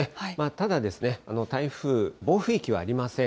ただ、台風暴風域はありません。